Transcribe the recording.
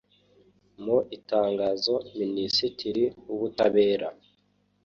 Mu itangazo Minisitiri w’Ubutabera